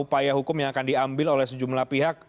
upaya hukum yang akan diambil oleh sejumlah pihak